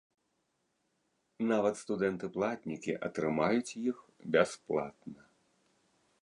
Нават студэнты-платнікі атрымаюць іх бясплатна.